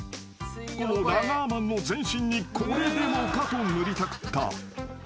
［このラガーマンの全身にこれでもかと塗りたくった］